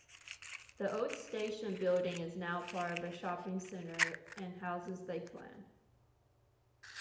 The old station building is now part of a shopping centre and houses Lakeland.